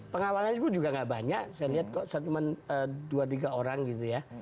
pengawalannya itu juga gak banyak saya lihat kok cuma dua tiga orang gitu ya